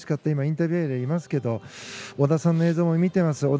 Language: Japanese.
今、インタビューエリアにいますが織田さんの映像も見ています。